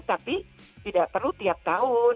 tapi tidak perlu tiap tahun